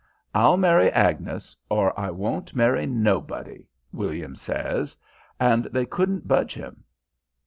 "'I'll marry Agnes or I won't marry nobody' William says and they couldn't budge him.